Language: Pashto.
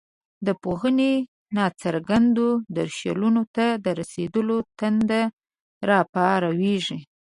دا پوهنې ناڅرګندو درشلونو ته د رسېدلو تنده راپاروي.